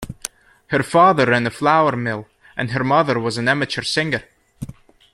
Her father ran a flour mill and her mother was an amateur singer.